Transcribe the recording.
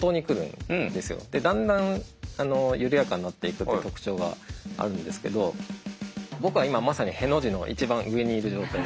でだんだん緩やかになっていくっていう特徴があるんですけど僕は今まさにへの字の一番上にいる状態。